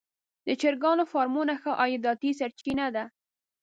د چرګانو فارمونه ښه عایداتي سرچینه ده.